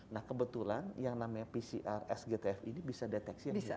nah kebetulan yang namanya pcr sgtf ini bisa deteksi ada